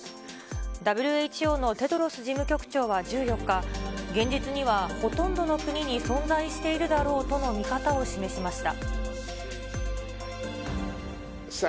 ＷＨＯのテドロス事務局長は１４日、現実にはほとんどの国に存在しているだろうとの見方を示しました。